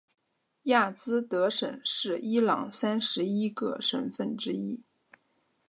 亚兹德省是伊朗三十一个省份之一。